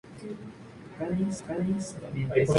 Sabemos que hay más para nosotros afuera.